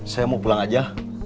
saya mau pulang aja